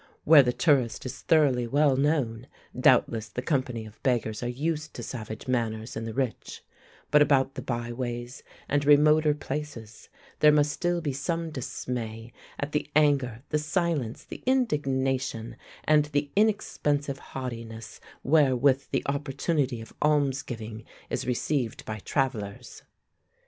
Where the tourist is thoroughly well known, doubtless the company of beggars are used to savage manners in the rich; but about the by ways and remoter places there must still be some dismay at the anger, the silence, the indignation, and the inexpensive haughtiness wherewith the opportunity of alms giving is received by travellers.